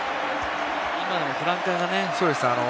今のフランカーがね。